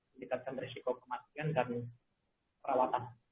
meningkatkan risiko kematian dan perawatan